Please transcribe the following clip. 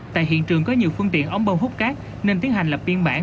tại hiện trường có nhiều phương tiện ống bơm hút cát nên tiến hành lập biên bản